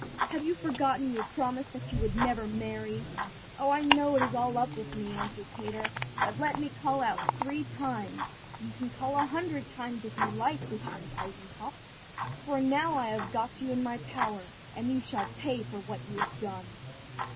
"Have you forgotten your promise that you never would marry?" "Oh, I know it is all up with me," answered Peter, "but let me call out three times." "You can call a hundred times if you like," returned Eisenkopf, "for now I have got you in my power, and you shall pay for what you have done."